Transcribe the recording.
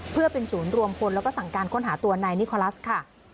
เพื่อเป็นศูนย์รวมพลแล้วก็สั่งการค้นหาตัวนายนิคอลัสค่ะ